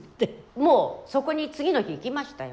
もうそこに次の日行きましたよ。